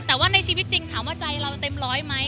แต่ว่าในชีวิตจริงถามว่าใจเราเต็มร้อยไหม